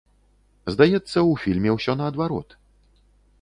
Здаецца, у фільме ўсё наадварот.